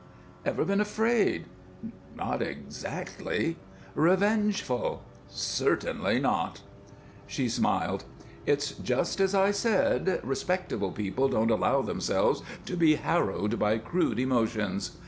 "Ever been afraid?" "Not exactly." "Revengeful?" "Certainly not." She smiled. "It's just as I said. Respectable people don't allow themselves to be harrowed by crude emotions.